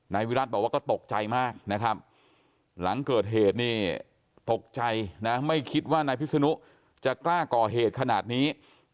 นายวิรัติบอกว่าก็ตกใจมากนะครับหลังเกิดเหตุนี่ตกใจนะไม่คิดว่านายพิศนุจะกล้าก่อเหตุขนาดนี้